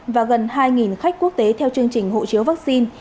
và gần hai khách quốc tế theo chương trình hộ chiếu vaccine